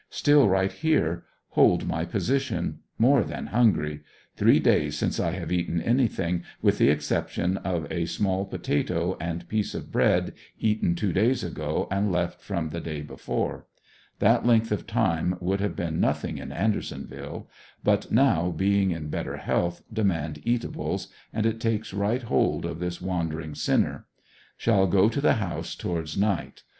Still right here. Hold my position. More than hungry. Three days since I have eaten anything, with the exception of a small pototoe and piece of bread eaten two days ago and left from the day before. That length of time would have been nothing in Andersonville, but now being in better health demand eatables, and it takes right hold of this wan dering sinner. Shall go to the house towards night.